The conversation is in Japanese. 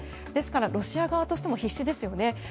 ですからロシア側としても必死ですよね。